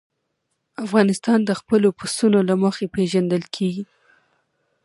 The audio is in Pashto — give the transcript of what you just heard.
افغانستان د خپلو پسونو له مخې پېژندل کېږي.